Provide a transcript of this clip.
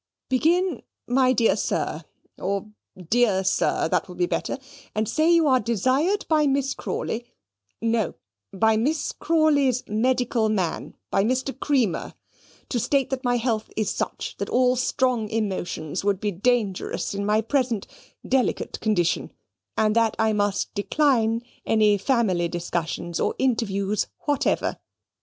"Begin 'My dear sir,' or 'Dear sir,' that will be better, and say you are desired by Miss Crawley no, by Miss Crawley's medical man, by Mr. Creamer, to state that my health is such that all strong emotions would be dangerous in my present delicate condition and that I must decline any family discussions or interviews whatever.